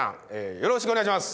よろしくお願いします。